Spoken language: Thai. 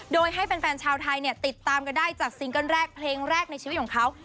โดยให้แฟนชาวไทยเนี่ยติดตามกันได้จากซิงเกิ้ลแรกเพลงแรกในชีวิตของเขา